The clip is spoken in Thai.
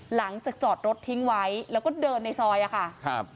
หลังจากจอดรถทิ้งไว้แล้วก็เดินในซอยอะค่ะครับ